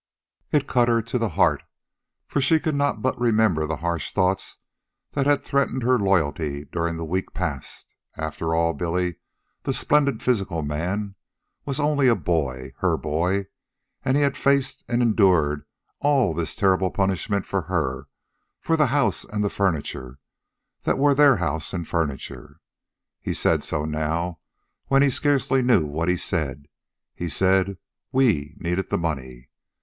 It cut her to the heart, for she could not but remember the harsh thoughts that had threatened her loyalty during the week past. After all, Billy, the splendid physical man, was only a boy, her boy. And he had faced and endured all this terrible punishment for her, for the house and the furniture that were their house and furniture. He said so, now, when he scarcely knew what he said. He said "WE needed the money."